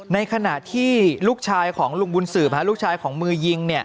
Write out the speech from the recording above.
ในขณะที่ลูกชายของลุงบุญสืบลูกชายของมือยิง